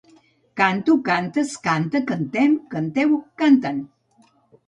Canto, cantes, canta, cantem, canteu, canten.